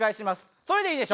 それでいいでしょ？